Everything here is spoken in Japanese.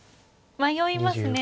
迷います。